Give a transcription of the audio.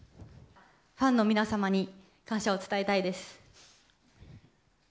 ファンの皆様に感謝を伝えたいです。